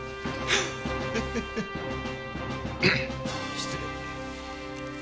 失礼。